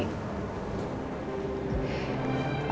aku tak bisa